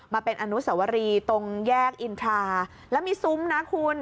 มาเป็นอนุสวรีตรงแยกอินทราแล้วมีซุ้มนะคุณ